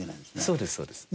そうですそうです。